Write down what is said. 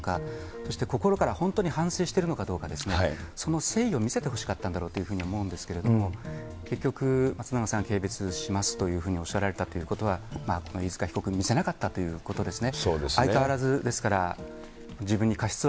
そして心から本当に反省してるのかどうかですね、その誠意を見せてほしかったんだろうというふうに思うんですけれども、結局、松永さんは軽蔑しますとおっしゃられたということは、この飯塚被告、見せなかったということですね。